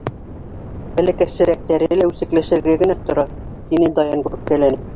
Бәләкәсерәктәре лә үсекләшергә генә тора. — тине Даян күркәләнеп.